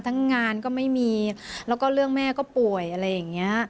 งานก็ไม่มีแล้วก็เรื่องแม่ก็ป่วยอะไรอย่างนี้